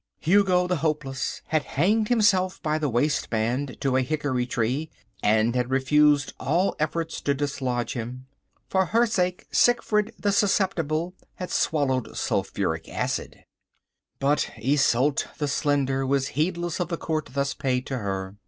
Hugo the Hopeless had hanged himself by the waistband to a hickory tree and had refused all efforts to dislodge him. For her sake Sickfried the Susceptible had swallowed sulphuric acid. Illustration: Hugo the Hopeless had hanged himself But Isolde the Slender was heedless of the court thus paid to her.